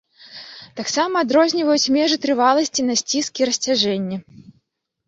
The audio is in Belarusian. Таксама адрозніваюць межы трываласці на сціск і расцяжэнне.